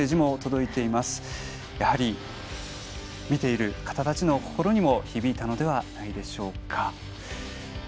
やはり、見ている方たちの心にも響いたのではないでしょうか。